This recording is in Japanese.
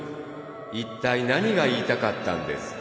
一体何が言いたかったんですか？